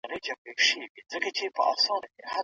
د جرګي په ويناوو کي به د یووالي پیغامونه نغښتي وو.